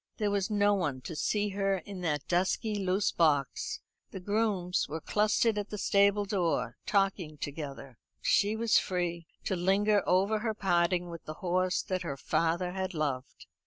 There was no one to see her in that dusky loose box. The grooms were clustered at the stable door, talking together. She was free to linger over her parting with the horse that her father had loved.